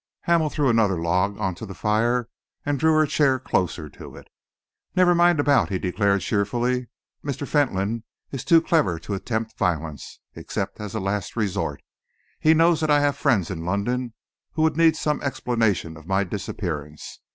Hamel threw another log on to the fire and drew her chair closer to it. "Never mind about," he declared cheerfully. "Mr. Fentolin is too clever to attempt violence, except as a last resource. He knows that I have friends in London who would need some explanation of my disappearance.